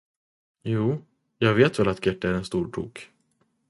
Jo. Jag vet väl att Gert är en stor tok.